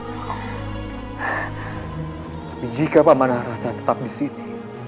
tapi jika pamanah rasa tetap disini